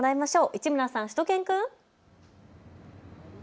市村さん、しゅと犬くん。